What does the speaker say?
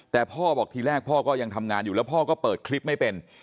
แต่พ่อบอกทีแรกพ่อก็ยังทำงานอยู่แล้วพ่อก็เปิดคลิปไม่เป็น